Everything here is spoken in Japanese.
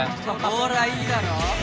ほらいいだろ？